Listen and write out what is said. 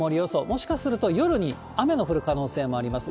もしかすると夜に雨の降る可能性もあります。